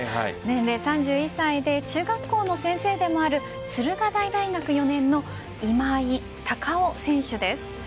年齢３１歳で中学校の先生でもある駿河台大学４年の今井隆生選手です。